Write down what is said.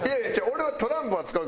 俺はトランプは使うけど